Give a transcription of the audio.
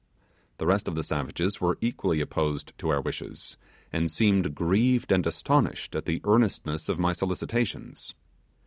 The rest of the savages were equally opposed to our wishes, and seemed grieved and astonished at the earnestness of my solicitations.